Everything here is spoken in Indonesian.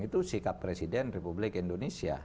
itu sikap presiden republik indonesia